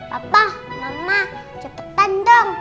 papa mama cepetan dong